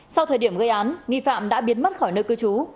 sau thời điểm gây án nghi phạm đã biến mất khỏi nơi cư trú